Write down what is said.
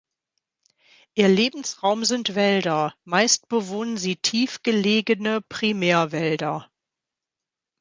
Ihr Lebensraum sind Wälder, meist bewohnen sie tief gelegene Primärwälder.